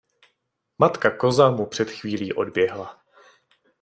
Matka koza mu před chvílí odběhla.